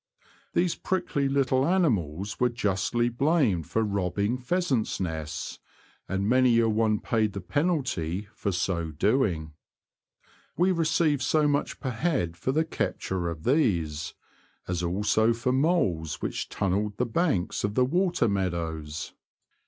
These prickly little animals were justly blamed for robbing pheasants' nests, and many a one paid the penalty for so doing. We received so much per head for the capture of these, as also for moles which tunnelled the 28 The Confessions of a Poacher, banks of the water meadows.